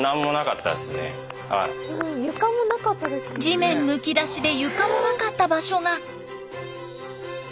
地面むき出しで床もなかった場所が。